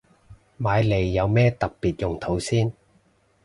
買嚟有咩特別用途先